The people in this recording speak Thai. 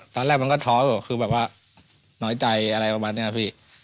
ตอนแรกมันก็ท้ออยู่คือแบบว่าน้อยใจอะไรประมาณนี้ครับพี่